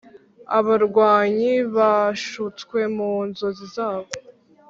abarwanyi, bashutswe mu nzozi zabo,